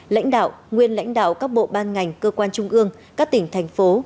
lãnh đạo nguyên lãnh đạo các bộ ban ngành cơ quan trung ương các tỉnh thành phố